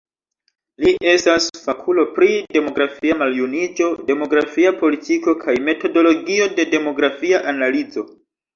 Li estas fakulo pri demografia maljuniĝo, demografia politiko kaj metodologio de demografia analizo.